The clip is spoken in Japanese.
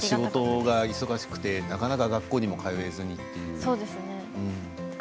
仕事が忙しくてなかなか学校にも通えずにと。